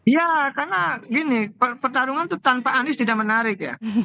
ya karena gini pertarungan itu tanpa anies tidak menarik ya